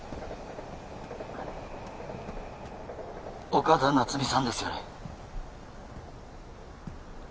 岡田夏美さんですよね？